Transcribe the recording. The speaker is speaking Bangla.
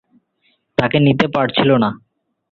তাকে নিতে পারছিল না।